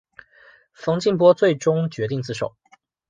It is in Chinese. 冯静波最终决定自首。